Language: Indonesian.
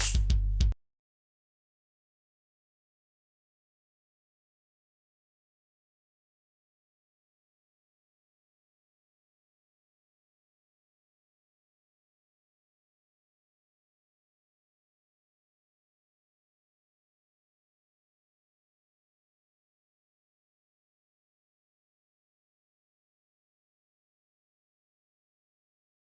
pak amir balikkan lagi sama bu dona